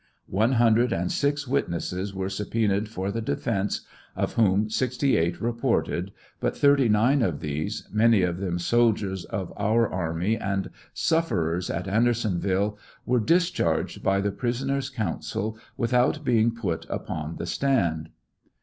One hun dred and six witnesses were subpoenaed for the defence, of whom 68 reported, but 39 of these, many of them soldiers of our army, and sufferers at Anderson ville, were discharged by the prisoner's counsel without being put upon the stand.